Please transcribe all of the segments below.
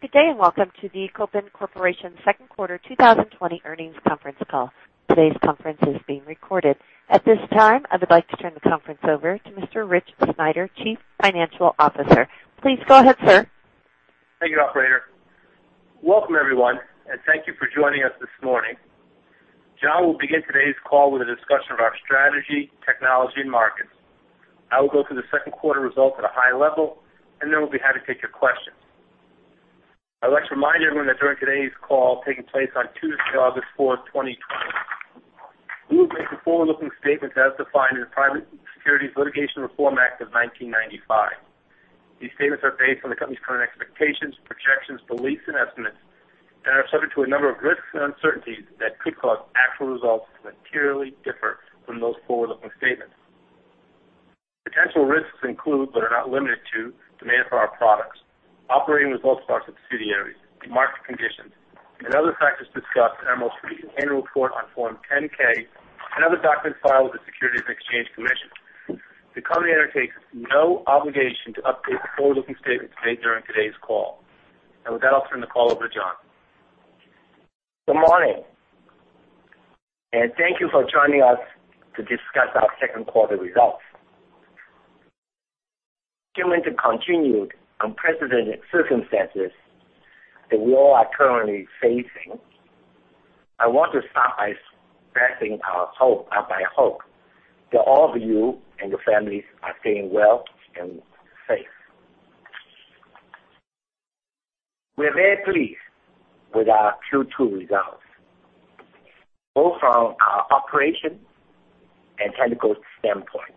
Good day. Welcome to the Kopin Corporation second quarter 2020 earnings conference call. Today's conference is being recorded. At this time, I would like to turn the conference over to Mr. Richard Sneider, Chief Financial Officer. Please go ahead, sir. Thank you, operator. Welcome, everyone, and thank you for joining us this morning. John will begin today's call with a discussion of our strategy, technology, and markets. I will go through the second quarter results at a high level, and then we'll be happy to take your questions. I would like to remind everyone that during today's call, taking place on Tuesday, August 4, 2020, we will make forward-looking statements as defined in the Private Securities Litigation Reform Act of 1995. These statements are based on the company's current expectations, projections, beliefs, and estimates, are subject to a number of risks and uncertainties that could cause actual results to materially differ from those forward-looking statements. Potential risks include, but are not limited to, demand for our products, operating results of our subsidiaries, market conditions, and other factors discussed in our most recent annual report on Form 10-K and other documents filed with the Securities and Exchange Commission. The company undertakes no obligation to update the forward-looking statements made during today's call. With that, I'll turn the call over to John. Good morning. Thank you for joining us to discuss our second quarter results. Given the continued unprecedented circumstances that we all are currently facing, I want to start by expressing our hope that all of you and your families are staying well and safe. We're very pleased with our Q2 results, both from our operation and technical standpoint.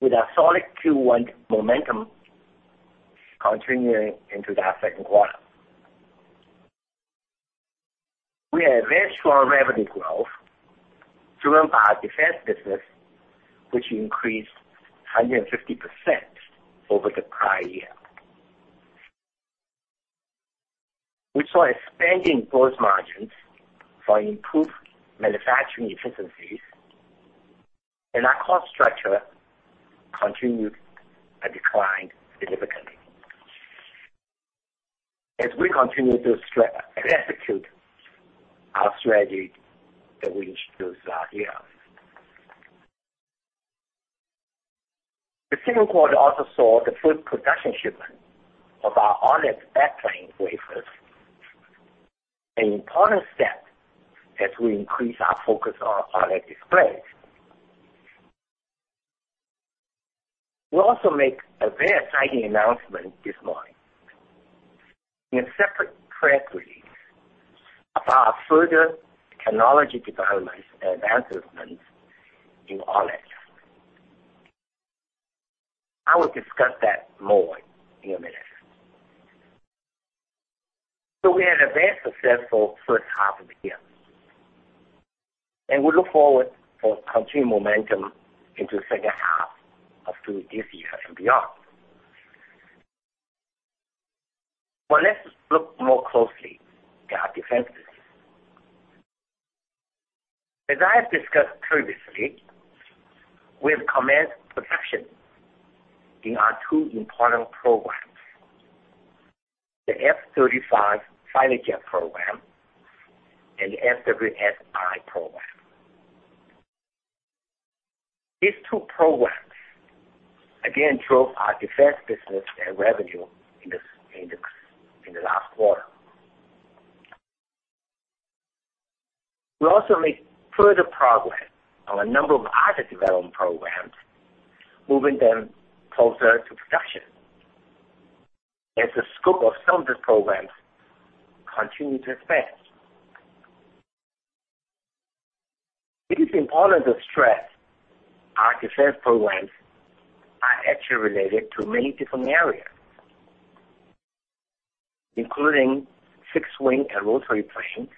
With our solid Q1 momentum continuing into our second quarter, we had very strong revenue growth driven by our defense business, which increased 150% over the prior year. We saw expanding gross margins for improved manufacturing efficiencies. Our cost structure continued and declined significantly as we continue to execute our strategy that we introduced last year. The second quarter also saw the first production shipment of our OLED backplane wafers, an important step as we increase our focus on OLED displays. We'll also make a very exciting announcement this morning in a separate press release about further technology developments and advancements in OLED. I will discuss that more in a minute. We had a very successful first half of the year, and we look forward for continued momentum into the second half of this year and beyond. Let us look more closely at our defense business. As I have discussed previously, we have commenced production in our two important programs, the F-35 fighter jet program and the FWS-I program. These two programs again drove our defense business and revenue in the last quarter. We also made further progress on a number of other development programs, moving them closer to production, as the scope of some of these programs continue to expand. It is important to stress our defense programs are actually related to many different areas, including fixed-wing and rotary planes,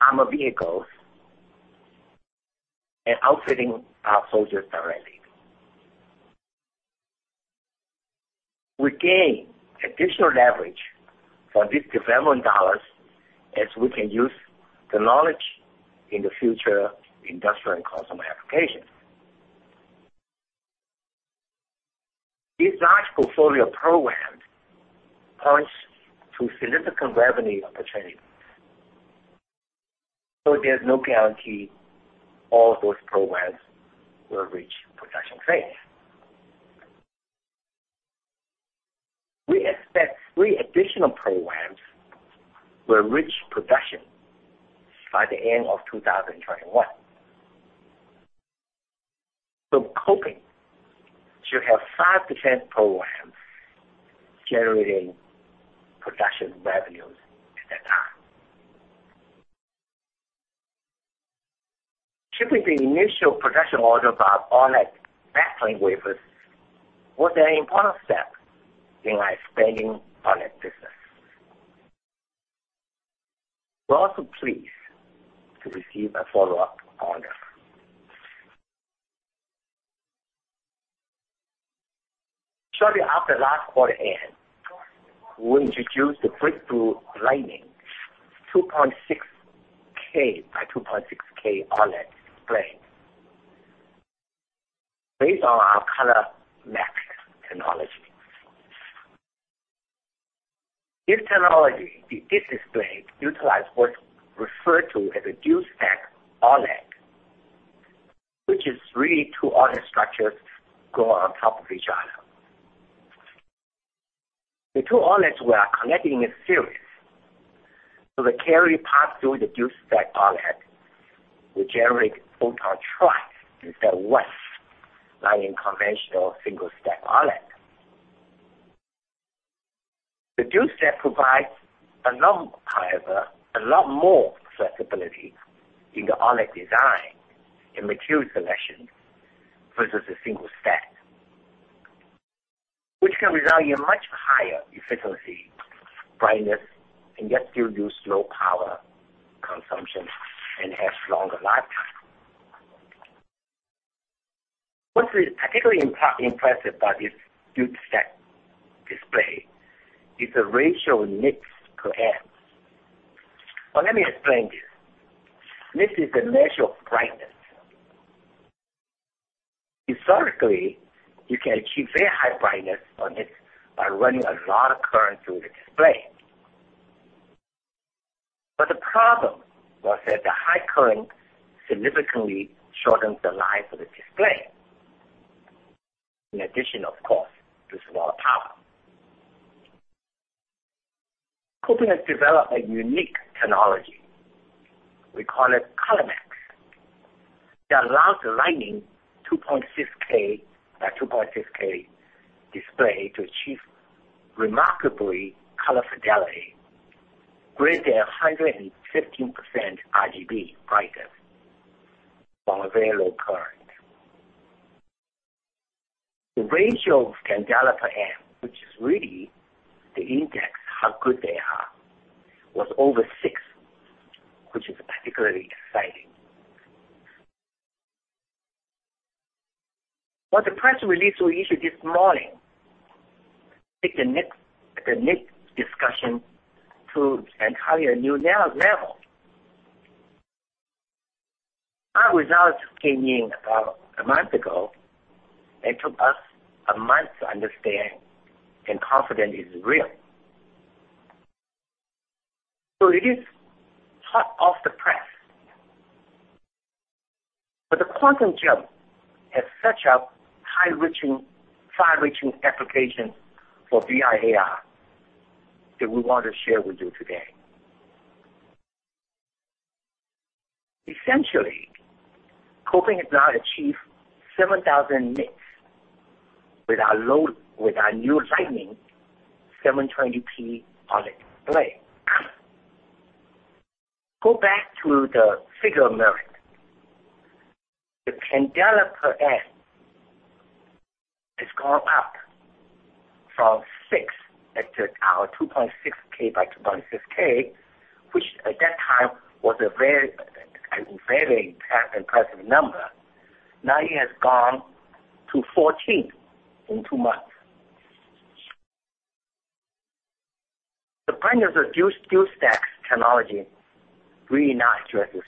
armor vehicles, and outfitting our soldiers directly. We gain additional leverage for these development dollars as we can use the knowledge in the future industrial and consumer applications. This large portfolio of programs points to significant revenue opportunities, though there's no guarantee all of those programs will reach production phase. We expect three additional programs will reach production by the end of 2021. Kopin should have five defense programs generating production revenues at that time. Shipping the initial production order of our OLED backplane wafers was an important step in our expanding OLED business. We're also pleased to receive a follow-up order. Shortly after last quarter end, we introduced the breakthrough Lightning 2.6K x 2.6K OLED display based on our ColorMax technology. This technology, this display utilizes what's referred to as a dual-stack OLED, which is really two OLED structures go on top of each other. The two OLEDs were connected in a series. The carriers pass through the dual-stack OLED, which generates photon twice instead of once, like in conventional single-stack OLED. The dual-stack provides, however, a lot more flexibility in the OLED design, in material selection versus a single stack, which can result in a much higher efficiency, brightness, and yet still use low power consumption and has longer lifetime. What is particularly impressive about this dual-stack display is the ratio of nits per amp. Well, let me explain this. Nit is the measure of brightness. Historically, you can achieve very high brightness on it by running a lot of current through the display. The problem was that the high current significantly shortens the life of the display. In addition, of course, it uses a lot of power. Kopin has developed a unique technology. We call it ColorMax. That allows the Lightning 2.6K x 2.6K display to achieve remarkable color fidelity, greater than 115% RGB brightness from a very low current. The ratio of candela per amp, which is really the index of how good they are, was over six, which is particularly exciting. The press release we issued this morning take the nit discussion to an entirely new level. Our results came in about a month ago. It took us a month to understand and confident it is real. It is hot off the press. The quantum jump has such a far-reaching application for VR/AR that we want to share with you today. Essentially, Kopin has now achieved 7,000 nits with our new Lightning 720p OLED display. Go back to the figure of merit. The candela per amp has gone up from six at our 2.6K by 2.6K, which at that time was a very impressive number. Now it has gone to 14 in two months. The brightness of dual-stack technology really now addresses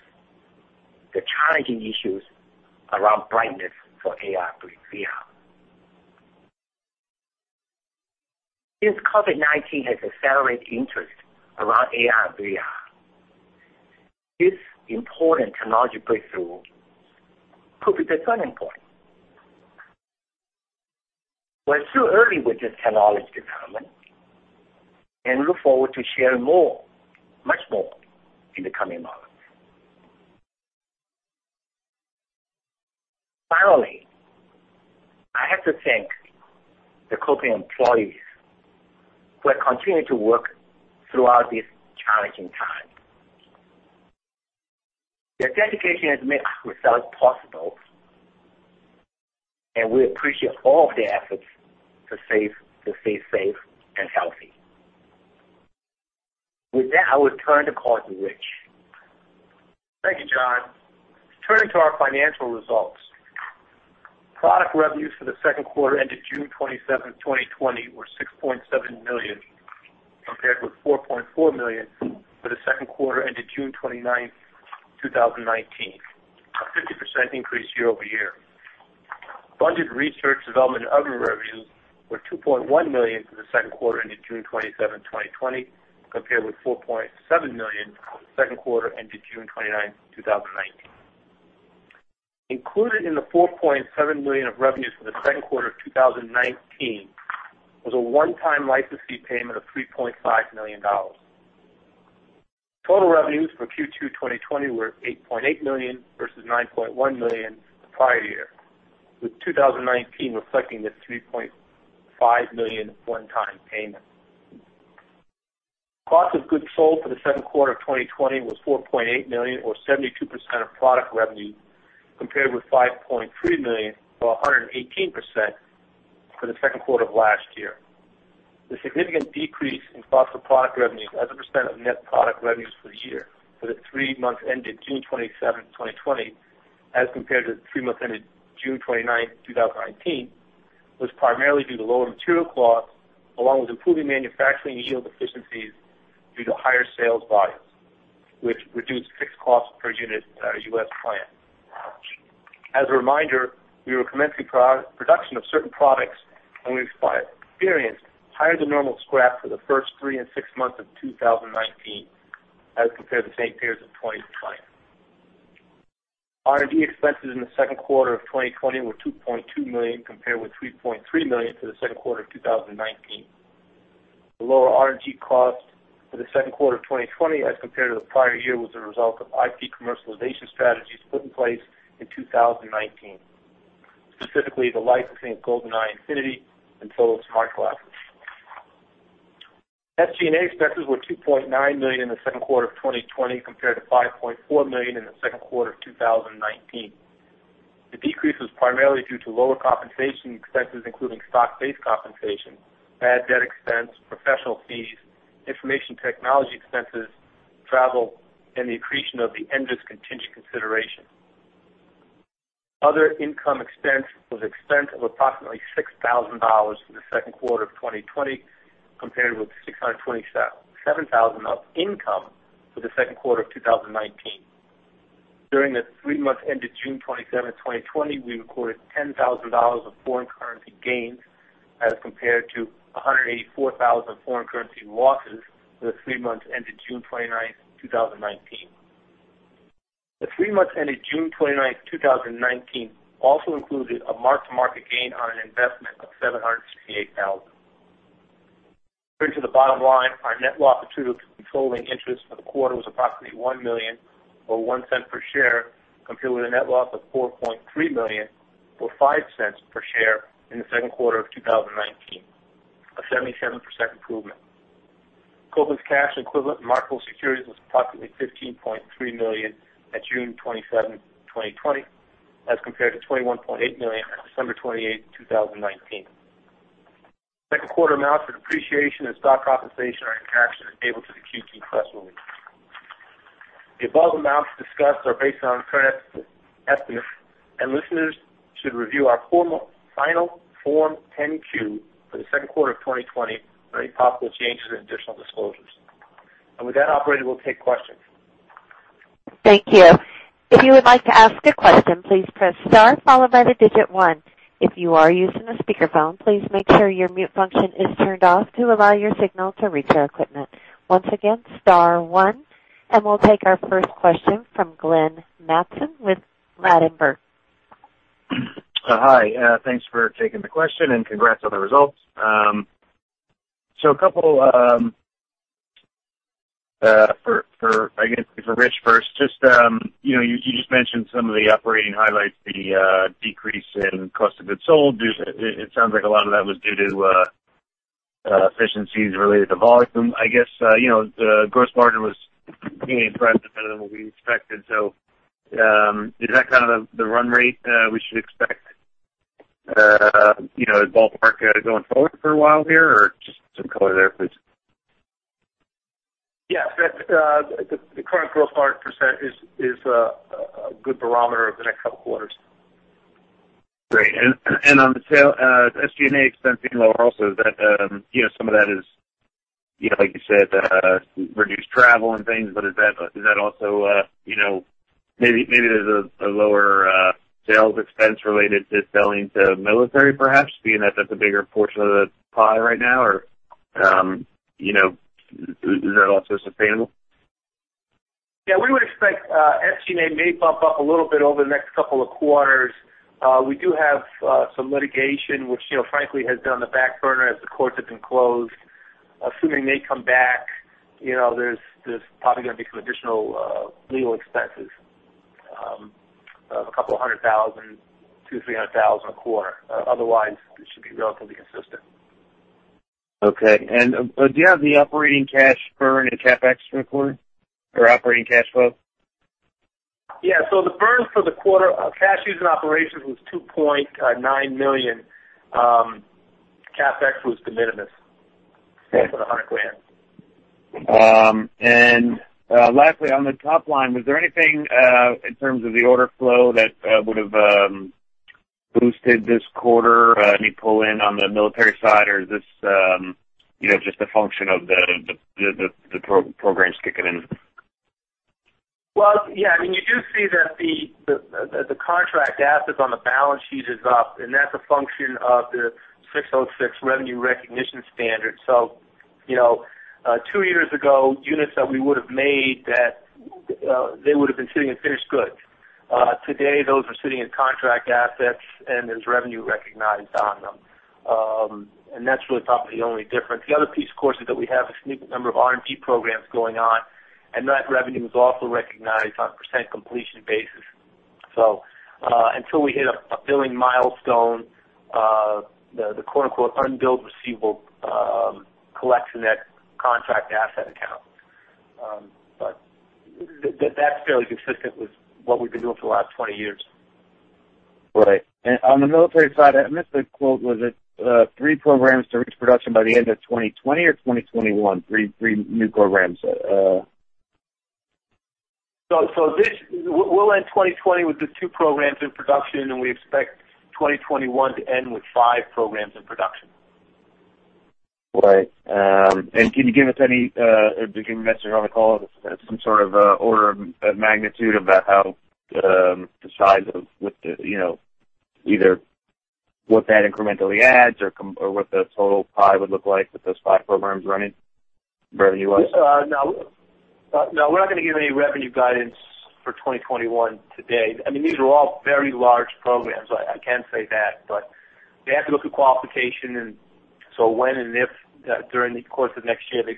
the challenging issues around brightness for AR/VR. Since COVID-19 has accelerated interest around AR and VR, this important technology breakthrough could be the turning point. We're still early with this technology development and look forward to sharing more, much more, in the coming months. Finally, I have to thank the Kopin employees who have continued to work throughout this challenging time. Their dedication has made our results possible, and we appreciate all of their efforts to stay safe and healthy. With that, I will turn the call to Rich. Thank you, John. Turning to our financial results. Product revenues for the second quarter ended June 27th, 2020, were $6.7 million, compared with $4.4 million for the second quarter ended June 29th, 2019, a 50% increase year over year. Bundled research, development, and other revenues were $2.1 million for the second quarter ended June 27th, 2020, compared with $4.7 million for the second quarter ended June 29th, 2019. Included in the $4.7 million of revenues for the second quarter of 2019 was a one-time license fee payment of $3.5 million. Total revenues for Q2 2020 were $8.8 million versus $9.1 million the prior year, with 2019 reflecting the $3.5 million one-time payment. Cost of goods sold for the second quarter of 2020 was $4.8 million, or 72% of product revenue, compared with $5.3 million or 118% for the second quarter of last year. The significant decrease in cost of product revenues as a % of net product revenues for the year for the three months ended June 27th, 2020, as compared to the three months ended June 29th, 2019, was primarily due to lower material costs, along with improving manufacturing yield efficiencies due to higher sales volumes. Which reduced fixed cost per unit at our U.S. plant. As a reminder, we were commencing production of certain products and we experienced higher than normal scrap for the first three and six months of 2019 as compared to the same periods of 2020. R&D expenses in the second quarter of 2020 were $2.2 million, compared with $3.3 million for the second quarter of 2019. The lower R&D cost for the second quarter of 2020 as compared to the prior year was a result of IP commercialization strategies put in place in 2019, specifically the licensing of Golden-i Infinity and Solos Smart Glass. SG&A expenses were $2.9 million in the second quarter of 2020 compared to $5.4 million in the second quarter of 2019. The decrease was primarily due to lower compensation expenses including stock-based compensation, bad debt expense, professional fees, information technology expenses, travel, and the accretion of the Nvis contingent consideration. Other income expense was expense of approximately $6,000 in the second quarter of 2020 compared with $627,000 income for the second quarter of 2019. During the three months ended June 27, 2020, we recorded $10,000 of foreign currency gains as compared to $184,000 of foreign currency losses for the three months ended June 29, 2019. The 3 months ended June 29, 2019 also included a mark-to-market gain on an investment of $768,000. Turning to the bottom line, our net loss attributable to controlling interest for the quarter was approximately $1 million or $0.01 per share, compared with a net loss of $4.3 million or $0.05 per share in the second quarter of 2019. A 77% improvement. Kopin's cash equivalent and marketable securities was approximately $15.3 million at June 27, 2020, as compared to $21.8 million at December 28, 2019. Second quarter amounts for depreciation and stock compensation are included in the Q2 press release. The above amounts discussed are based on current estimates, listeners should review our final Form 10-Q for the second quarter of 2020 for any possible changes or additional disclosures. With that, operator, we'll take questions. Thank you. If you would like to ask a question, please press star one. If you are using a speakerphone, please make sure your mute function is turned off to allow your signal to reach our equipment. Once again, star one, and we'll take our first question from Glenn Mattson with Ladenburg. Hi, thanks for taking the question and congrats on the results. A couple, I guess for Rich first. You just mentioned some of the operating highlights, the decrease in cost of goods sold. It sounds like a lot of that was due to efficiencies related to volume. I guess, the gross margin was being impressive, better than what we expected. Is that kind of the run rate we should expect as ballpark going forward for a while here, or just some color there, please? The current gross margin percentage is a good barometer of the next couple quarters. Great. On the sale, SG&A expense being lower also, some of that is like you said reduced travel and things, but is that also maybe there's a lower sales expense related to selling to military perhaps, being that that's a bigger portion of the pie right now, or is that also sustainable? Yeah, we would expect SG&A may bump up a little bit over the next couple of quarters. We do have some litigation, which frankly has been on the back burner as the courts have been closed. Assuming they come back, there's probably going to be some additional legal expenses of $200,000-$300,000 a quarter. Otherwise, it should be relatively consistent. Okay. Do you have the operating cash burn and CapEx for the quarter or operating cash flow? Yeah. The burn for the quarter, our cash used in operations was $2.9 million. CapEx was de minimis for the $100,000. Lastly, on the top line, was there anything in terms of the order flow that would have boosted this quarter? Any pull in on the military side or is this just a function of the programs kicking in? Well, yeah, I mean, you do see that the contract assets on the balance sheet is up. That's a function of the ASC 606 revenue recognition standard. 2 years ago, units that we would've made, they would've been sitting in finished goods. Today, those are sitting in contract assets, and there's revenue recognized on them. That's really probably the only difference. The other piece, of course, is that we have a significant number of R&D programs going on, and that revenue is also recognized on a percent completion basis. Until we hit a billing milestone, the "unbilled receivable" collects in that contract asset account. That's fairly consistent with what we've been doing for the last 20 years. Right. On the military side, I missed the quote, was it three programs to reach production by the end of 2020 or 2021? Three new programs. we'll end 2020 with the two programs in production, and we expect 2021 to end with five programs in production. Right. Can you give us any, since you're on the call, some sort of order of magnitude about either what that incrementally adds or what the total pie would look like with those five programs running, revenue-wise? We're not going to give any revenue guidance for 2021 today. These are all very large programs, I can say that, but they have to go through qualification. When and if, during the course of next year they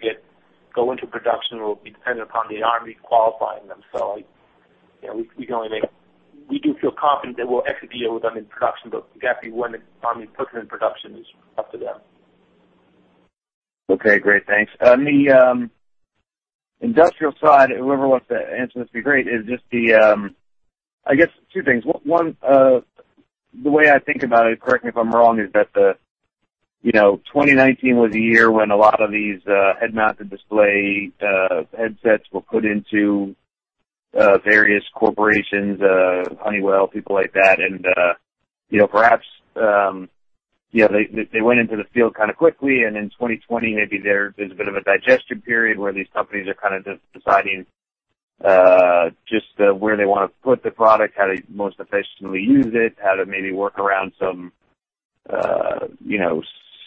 go into production, it will be dependent upon the Army qualifying them. We do feel confident that we'll exit the year with them in production, but exactly when the Army puts it in production is up to them. Okay, great. Thanks. On the industrial side, whoever wants to answer this would be great, I guess two things. One, the way I think about it, correct me if I'm wrong, is that 2019 was a year when a lot of these head-mounted display headsets were put into various corporations, Honeywell, people like that. Perhaps, they went into the field kind of quickly. In 2020, maybe there's a bit of a digestion period where these companies are just deciding just where they want to put the product, how to most efficiently use it, how to maybe work around some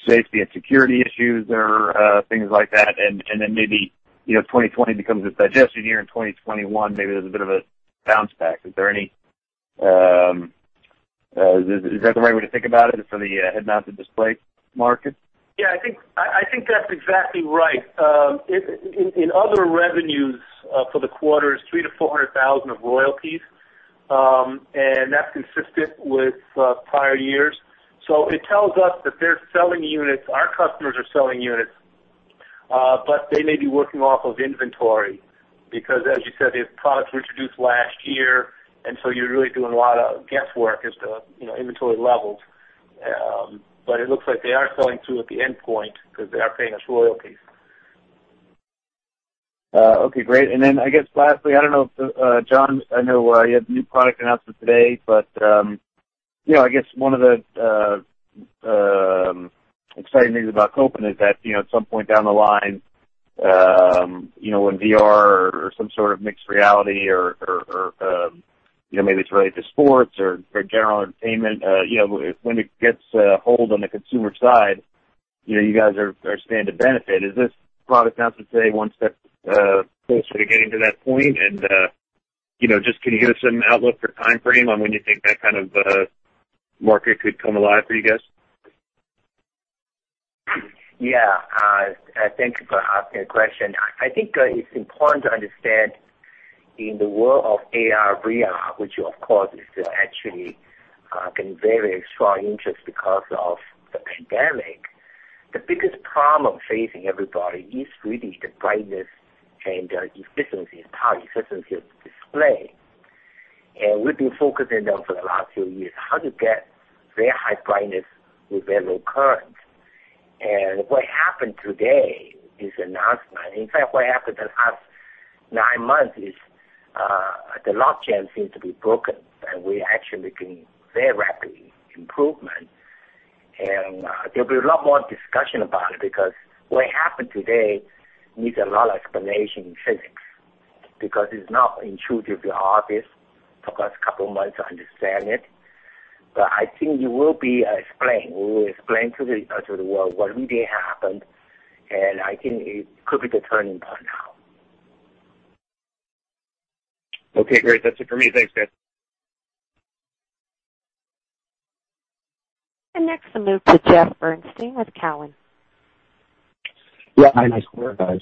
safety and security issues or things like that. Then maybe 2020 becomes a digestion year. In 2021, maybe there's a bit of a bounce back. Is that the right way to think about it for the head-mounted display market? Yeah, I think that's exactly right. In other revenues for the quarter is $300,000-$400,000 of royalties, and that's consistent with prior years. It tells us that they're selling units, our customers are selling units, but they may be working off of inventory, because as you said, the products were introduced last year, you're really doing a lot of guesswork as to inventory levels. It looks like they are selling through at the end point because they are paying us royalties. Okay, great. I guess lastly, I don't know if, John, I know you had the new product announcement today, but I guess one of the exciting things about Kopin is that, at some point down the line, when VR or some sort of mixed reality or maybe it's related to sports or general entertainment, when it gets a hold on the consumer side, you guys are stand to benefit. Is this product announcement today one step closer to getting to that point? Just can you give us some outlook or timeframe on when you think that kind of market could come alive for you guys? Thank you for asking the question. I think it's important to understand in the world of AR/VR, which of course is actually getting very strong interest because of the pandemic, the biggest problem facing everybody is really the brightness and the efficiency, power efficiency of the display. We've been focusing on for the last few years, how to get very high brightness with very low current. What happened today, this announcement, in fact, what happened the last nine months is, the log jam seems to be broken, and we actually can very rapidly improvement. There'll be a lot more discussion about it because what happened today needs a lot of explanation in physics, because it's not intuitive, obvious. Took us a couple of months to understand it. I think we will explain to the world what really happened, and I think it could be the turning point now. Okay, great. That's it for me. Thanks, guys. Next, I'll move to Jeff Bernstein with Cowen. Hi, nice work, guys.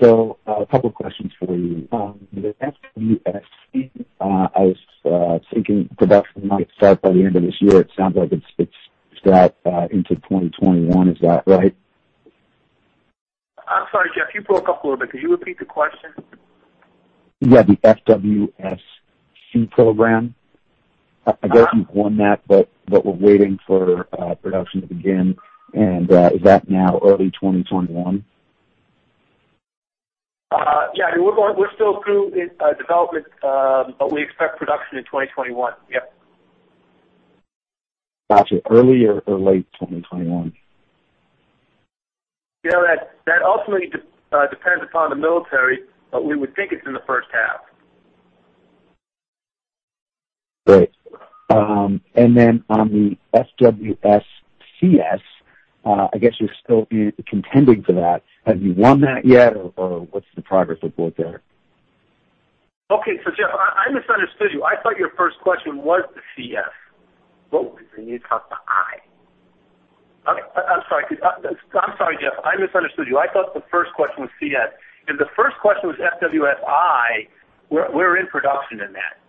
A couple of questions for you. The FWS-C, I was thinking production might start by the end of this year. It sounds like it's strapped into 2021. Is that right? I'm sorry, Jeff, you broke up a little bit. Could you repeat the question? Yeah, the FWS-C program, I guess you've won that, but we're waiting for production to begin, and is that now early 2021? Yeah. We're still through development, but we expect production in 2021. Yep. Got you. Early or late 2021? That ultimately depends upon the military, but we would think it's in the first half. Great. Then on the FWS-CS, I guess you're still contending for that. Have you won that yet, or what's the progress look like there? Okay. Jeff, I misunderstood you. I thought your first question was the CS. Whoa. You talked the IP. Okay. I'm sorry, Jeff, I misunderstood you. I thought the first question was CS, and the first question was FWS-I, we're in production in that.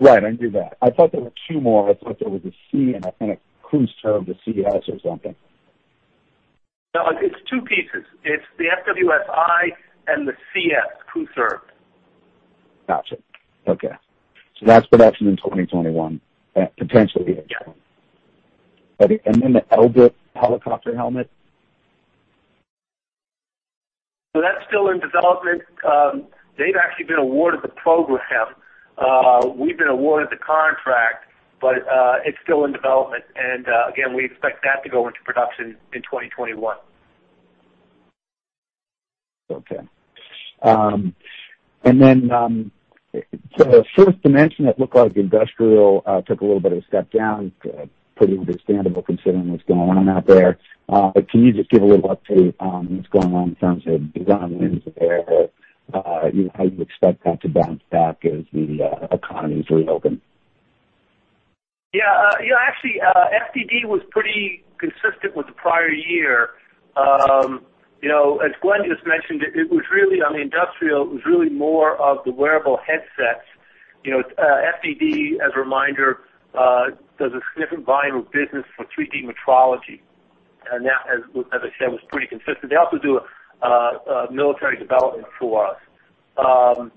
Right, I knew that. I thought there were two more. I thought there was a C, and I think a crew serve, the CS or something. No, it's two pieces. It's the FWS-I and the CS, crew serve. Got you. Okay. That's production in 2021, potentially at that time. The Elbit helicopter helmet. That's still in development. They've actually been awarded the program. We've been awarded the contract, it's still in development. Again, we expect that to go into production in 2021. Okay. Forth Dimension Displays, it looked like industrial took a little bit of a step down. Pretty understandable considering what's going on out there. Can you just give a little update on what's going on in terms of design wins there? How you expect that to bounce back as the economies reopen? Yeah. Actually, FDD was pretty consistent with the prior year. As Glenn just mentioned, on the industrial, it was really more of the wearable headsets. FDD, as a reminder, does a significant volume of business for 3D metrology, and that, as I said, was pretty consistent. They also do military development for us.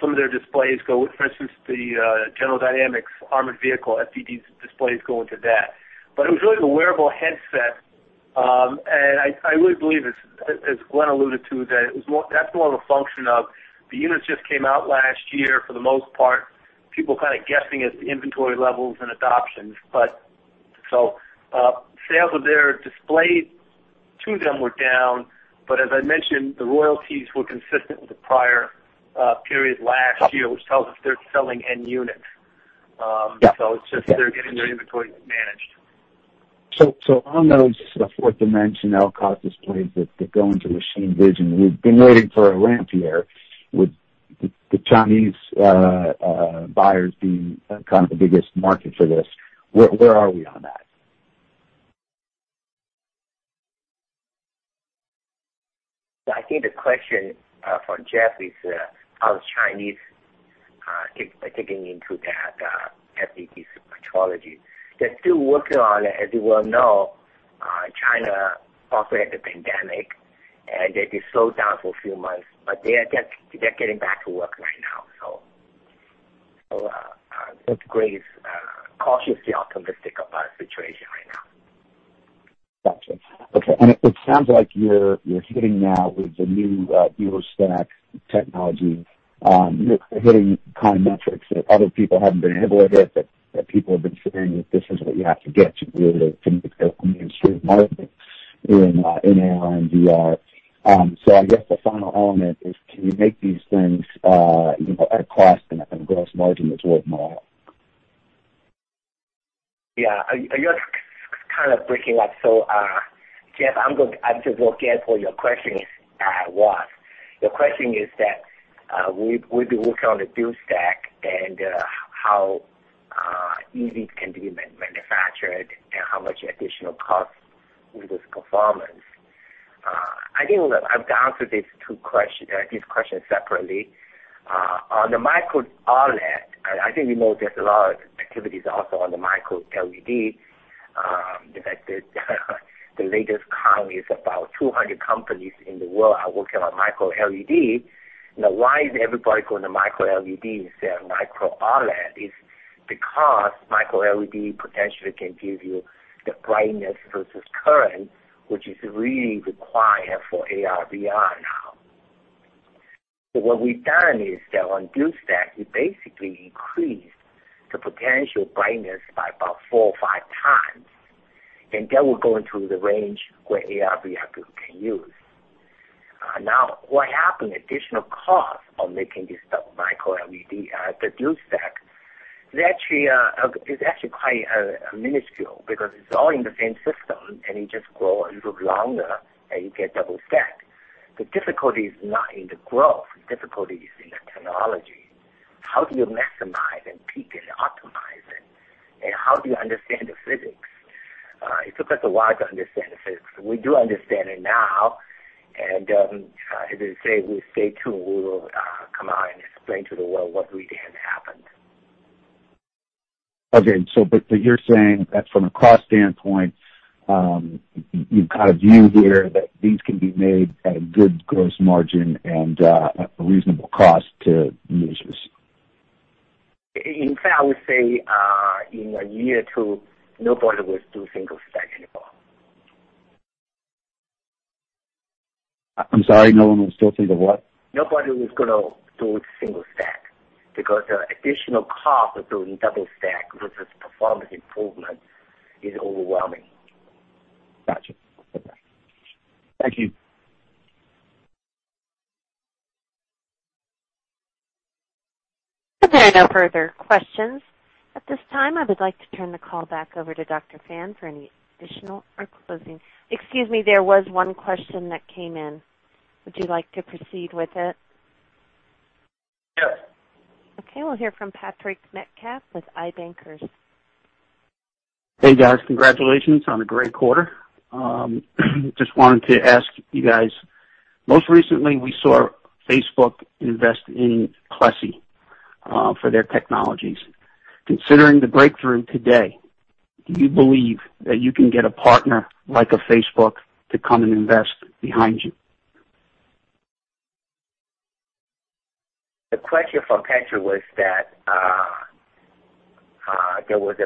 Some of their displays go, for instance, the General Dynamics armored vehicle, FDD's displays go into that. It was really the wearable headset, and I really believe, as Glenn alluded to, that's more of a function of the units just came out last year, for the most part, people kind of guessing at the inventory levels and adoptions. Sales of their displays, two of them were down, but as I mentioned, the royalties were consistent with the prior period last year, which tells us they're selling end units. Yeah. It's just they're getting their inventory managed. On those Forth Dimension LCOS displays that go into machine vision, we've been waiting for a ramp year, with the Chinese buyers being kind of the biggest market for this. Where are we on that? I think the question for Jeff is, how is Chinese kicking into that FDD metrology. They're still working on it. As you well know, China also had the COVID-19, and they did slow down for a few months. They're getting back to work right now. I would cautiously optimistic about the situation right now. Got you. Okay. It sounds like you're hitting now with the new dual-stack OLED technology. You're hitting kind of metrics that other people haven't been able to hit, but that people have been saying that this is what you have to get to really to make a mainstream market in AR and VR. I guess the final element is, can you make these things at a cost and a gross margin that's worthwhile? Yeah. You're kind of breaking up. Jeff, I'm just looking for your question. Your question is that we've been working on the dual stack and how easy it can be manufactured and how much additional cost with this performance. I think I've answered these questions separately. On the Micro OLED, I think we know there's a lot of activities also on the MicroLED, that the latest count is about 200 companies in the world are working on MicroLED. Why is everybody going to MicroLED instead of Micro OLED is because MicroLED potentially can give you the brightness versus current, which is really required for AR/VR now. What we've done is that on dual stack, we basically increased the potential brightness by about four or five times, and that will go into the range where AR/VR people can use. What happened, additional cost of making this stuff, MicroLED, the dual-stack OLED, is actually quite minuscule because it's all in the same system, and it just grow a little longer, and you get dual-stack OLED. The difficulty is not in the growth. The difficulty is in the technology. How do you maximize and peak it and optimize it? How do you understand the physics? It took us a while to understand the physics. We do understand it now. As I say, we stay tuned. We will come out and explain to the world what we did happened. Okay. You're saying that from a cost standpoint, you kind of view here that these can be made at a good gross margin and at a reasonable cost to users. In fact, I would say, in a year or two, nobody will do single stack anymore. I'm sorry, no one will do single what? Nobody is going to do single stack because the additional cost of doing double stack versus performance improvement is overwhelming. Got you. Okay. Thank you. If there are no further questions at this time, I would like to turn the call back over to Dr. Fan for any additional or closing--. Excuse me, there was one question that came in. Would you like to proceed with it? Yes. Okay, we'll hear from Patrick Metcalf with I-Bankers. Hey, guys. Congratulations on a great quarter. Just wanted to ask you guys, most recently, we saw Facebook invest in Plessey for their technologies. Considering the breakthrough today, do you believe that you can get a partner like a Facebook to come and invest behind you? The question from Patrick was that there was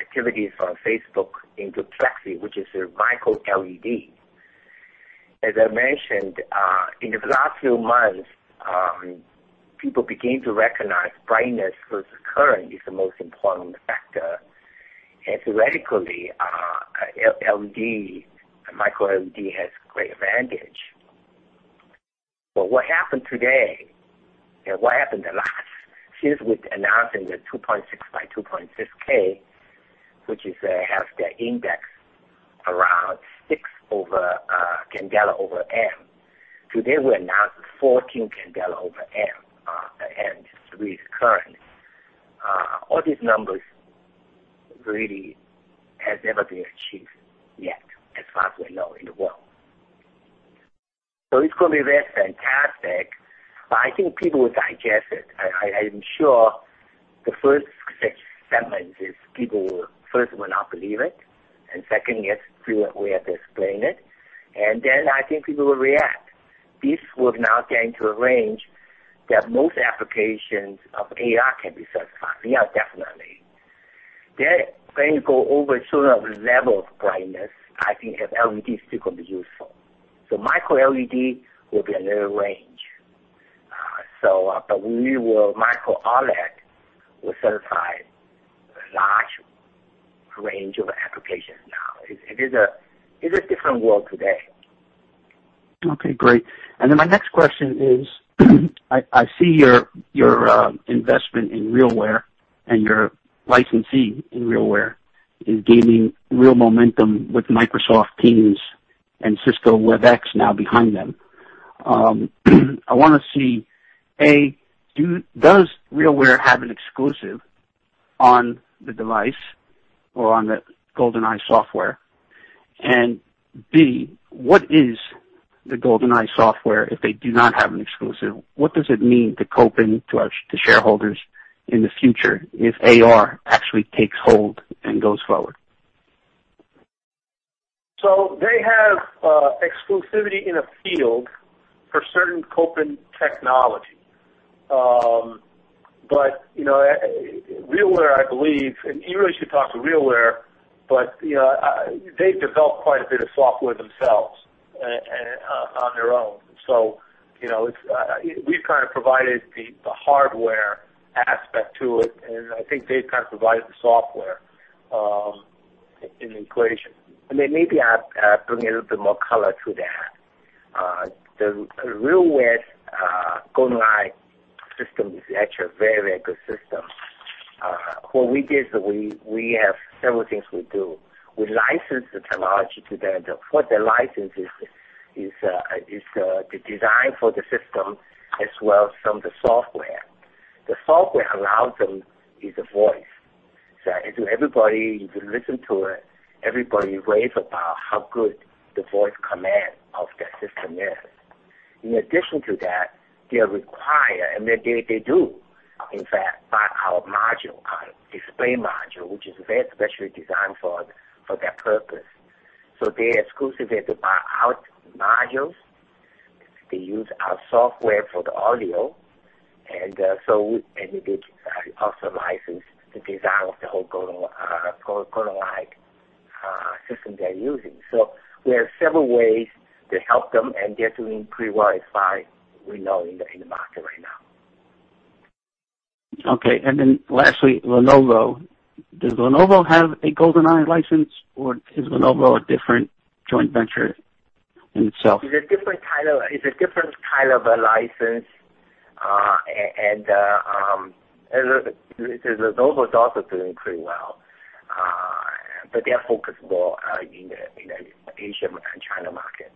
activities on Facebook into Plessey, which is a MicroLED. As I mentioned, in the last few months, people began to recognize brightness versus current is the most important factor. Theoretically, a MicroLED has a great advantage. What happened today and what happened the last, since we've announcing the 2.6 by 2.6K, which has the index around 6 candela per amp. Today, we announced 14 candela per amp and three current. All these numbers really has never been achieved yet, as far as we know, in the world. It's going to be very fantastic. I think people will digest it. I am sure the first sentiment is people will first not believe it, and second, we have to explain it. I think people will react. This will now get into a range that most applications of AR can be satisfied. VR, definitely. Go over sort of level of brightness, I think if LED is still going to be useful. MicroLED will be a narrow range. Micro OLED will satisfy a large range of applications now. It is a different world today. My next question is, I see your investment in RealWear and your licensee in RealWear is gaining real momentum with Microsoft Teams and Cisco Webex now behind them. I want to see, A, does RealWear have an exclusive on the device or on the Golden-i software? B, what is the Golden-i software if they do not have an exclusive? What does it mean to Kopin, to shareholders in the future if AR actually takes hold and goes forward? They have exclusivity in a field for certain Kopin technology. RealWear, I believe, and you really should talk to RealWear, but they've developed quite a bit of software themselves on their own. We've kind of provided the hardware aspect to it, and I think they've kind of provided the software in the equation. Maybe I bring a little bit more color to that. The RealWear Golden-i system is actually a very good system. What we did, we have several things we do. We licensed the technology to them. What they licensed is the design for the system as well some of the software. The software allows them is a voice. Everybody, if you listen to it, everybody raves about how good the voice command of that system is. In addition to that, they are required, and they do, in fact, buy our module, our display module, which is very specially designed for that purpose. They're exclusive. They have to buy our modules. They use our software for the audio, and it also licenses the design of the whole Golden-i system they're using. We have several ways to help them, and they're doing pretty well as far as we know in the market right now. Okay. Lastly, Lenovo. Does Lenovo have a Golden-i license or is Lenovo a different joint venture in itself? It's a different kind of a license. Lenovo is also doing pretty well, but they are focused more in the Asia and China market.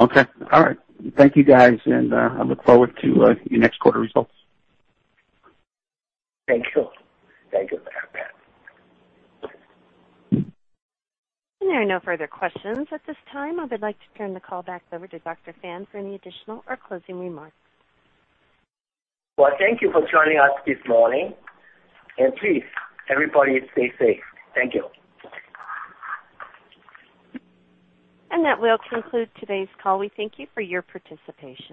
Okay. All right. Thank you guys, and I look forward to your next quarter results. Thank you. Thank you for that, Patric. There are no further questions at this time. I would like to turn the call back over to Dr. Fan for any additional or closing remarks. Well, thank you for joining us this morning. Please, everybody stay safe. Thank you. That will conclude today's call. We thank you for your participation.